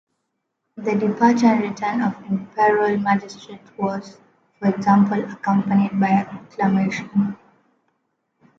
The departure and return of imperial magistrates was, for example, accompanied by acclamation.